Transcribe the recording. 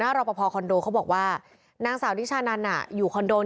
หน้ารบภพอร์คอนโดเขาบอกว่านางสาวนี้ชาวนั้นน่ะอยู่คอนโด